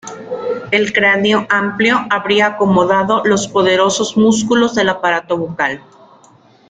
El cráneo amplio habría acomodado los poderosos músculos del aparato bucal.